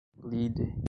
lide